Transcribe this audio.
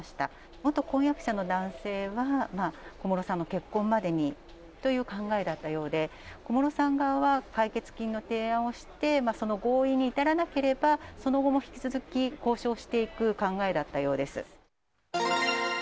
元婚約者の男性は、小室さんの結婚までにという考えだったようで、小室さん側は解決金の提案をして、その合意に至らなければ、その後も引き続き交渉していく考えだったようです。